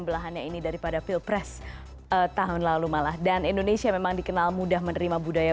belahannya ini daripada pilpres tahun lalu malah dan indonesia memang dikenal mudah menerima budaya